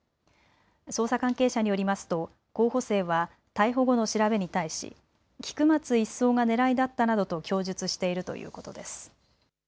捜査関係者によりますと候補生は逮捕後の調べに対し、菊松１曹が狙いだったなどと供述しているということです。